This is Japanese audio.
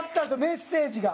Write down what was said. メッセージが！